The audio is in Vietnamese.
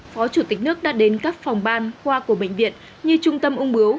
phó chủ tịch nước đã đến các phòng ban khoa của bệnh viện như trung tâm ung bướu